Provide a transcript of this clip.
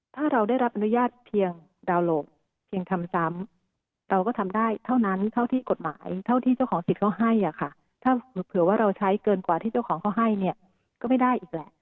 ถ้าเราได้รับอนุญาตเพียงดาวน์โหลดเพียงทำซ้ำเราก็ทำได้เท่านั้นเท่าที่กฎหมายเท่าที่เจ้าของสิทธิ์เขาให้อะค่ะถ้าเผื่อว่าเราใช้เกินกว่าที่เจ้าของเขาให้เนี่ยก็ไม่ได้อีกแหละ